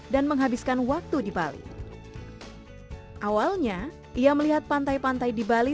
disitulah istilahnya the itch tumbuh